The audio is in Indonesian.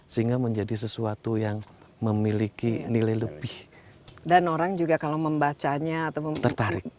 sehingga menjadi sesuatu yang memiliki nilai lebih dan orang juga kalau membacanya atau tertarik